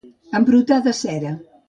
Embrutar de cera.